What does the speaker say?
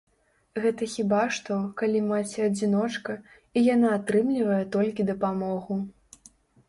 Гэта хіба што, калі маці-адзіночка, і яна атрымлівае толькі дапамогу.